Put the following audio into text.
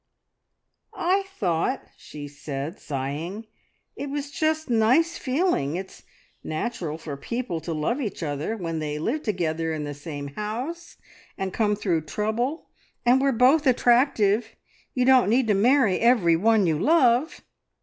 "I thought," she said sighing, "it was just nice feeling! It's natural for people to love each other. When they live together in the same house and come through trouble. ... And we're both attractive. ... You don't need to marry every one you love!"